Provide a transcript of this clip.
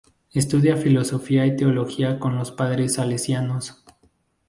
Estudia filosofía y teología con los padres salesianos.